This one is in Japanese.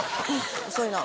遅いなぁ。